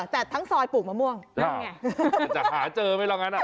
แต่ทั้งซอยปลูกมะม่วงจะหาเจอไหมแล้วงั้น